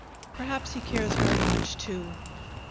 "Perhaps he cares very much, too."